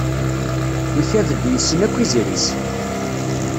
Ikad-d yessen akk izri-s.